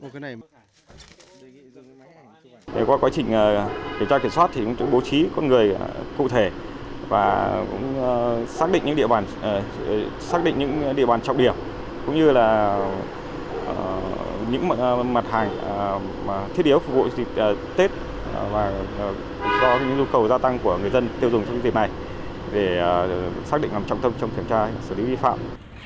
xác định những địa bàn trọng điểm cũng như là những mặt hàng thiết yếu phục vụ dịp tết và do những nhu cầu gia tăng của người dân tiêu dùng trong dịp này để xác định nằm trọng tâm trong kiểm tra xử lý vi phạm